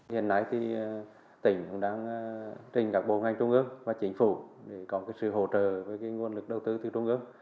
các bộ ngành trung ước và chính phủ có sự hỗ trợ với nguồn lực đầu tư từ trung ước